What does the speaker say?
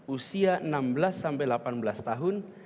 usia enam belas sampai delapan belas tahun